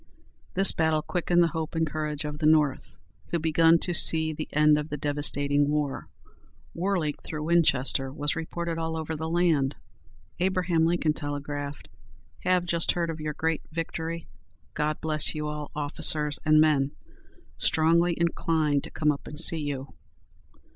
This battle quickened the hope and courage of the North, who begun to see the end of the devastating war. "Whirling through Winchester" was reported all over the land. Abraham Lincoln telegraphed, "Have just heard of your great victory. God bless you all, officers and men! Strongly inclined to come up and see you."